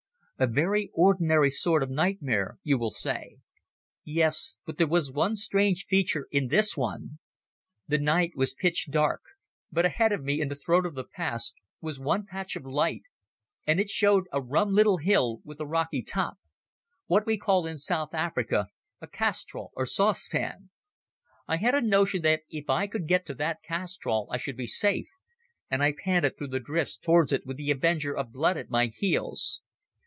A very ordinary sort of nightmare, you will say. Yes, but there was one strange feature in this one. The night was pitch dark, but ahead of me in the throat of the pass there was one patch of light, and it showed a rum little hill with a rocky top: what we call in South Africa a castrol or saucepan. I had a notion that if I could get to that castrol I should be safe, and I panted through the drifts towards it with the avenger of blood at my heels.